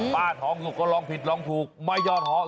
ป้าทองสุขก็ลองผิดลองถูกไม่ยอดเหาะ